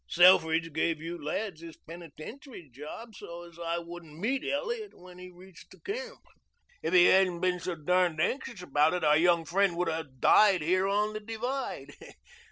Selfridge gave you lads this penitentiary job so as I wouldn't meet Elliot when he reached the camp. If he hadn't been so darned anxious about it, our young friend would have died here on the divide.